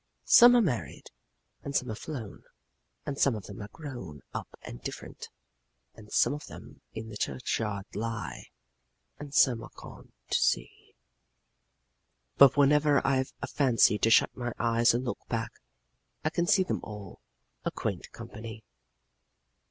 Some are married, and some are flown, and some of them are grown up and different, 'and some of them in the churchyard lie, and some are gone to sea.' "But whenever I've a fancy to shut my eyes and look back, I can see them all, a quaint company.